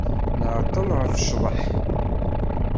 Nɛeṭṭel ɣef ccḍeḥ.